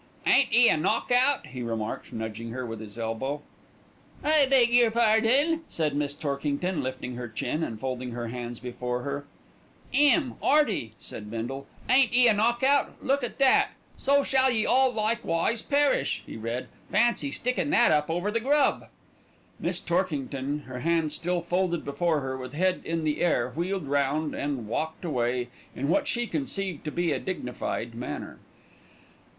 "Ain't 'e a knock out!" he remarked, nudging her with his elbow. "I beg your pardon!" said Miss Torkington, lifting her chin and folding her hands before her. "'Im, 'Earty," said Bindle, "ain't 'e a knock out! Look at that! 'So shall Ye All Likewise Perish,'" he read. "Fancy sticking that up over the grub." Miss Torkington, her hands still folded before her, with head in the air, wheeled round and walked away in what she conceived to be a dignified manner.